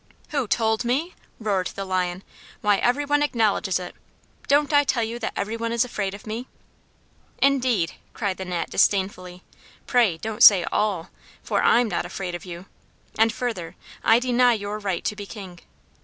"Who told ME?" roared the Lion. "Why, everyone acknowledges it don't I tell you that everyone is afraid of me?" "Indeed!" cried the Gnat disdainfully. "Pray don't say all, for I'm not afraid of you. And further, I deny your right to be King."